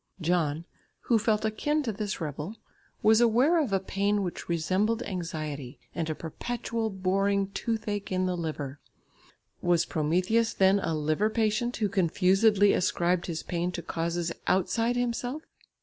John, who felt akin to this rebel, was aware of a pain which resembled anxiety, and a perpetual boring "toothache in the liver." Was Prometheus then a liver patient who confusedly ascribed his pain to causes outside himself?